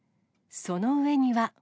その上には。